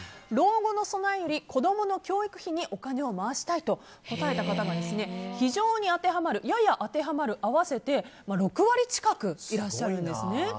老後の備えより子供の教育費にお金を回したいと答えた方が非常に当てはまるやや当てはまる合わせて６割近くいらっしゃるんです。